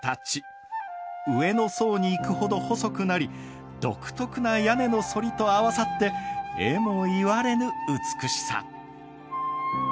上の層に行くほど細くなり独特な屋根の反りと合わさってえもいわれぬ美しさ。